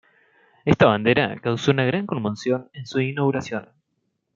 Esta bandera causó una gran conmoción en su inauguración.